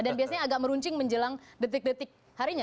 dan biasanya agak meruncing menjelang detik detik harinya